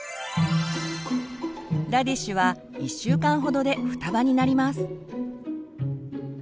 ラディッシュは１週間ほどで双葉になります。